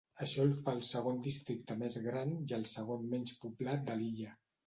Això el fa el segon districte més gran i el segon menys poblat de l'illa.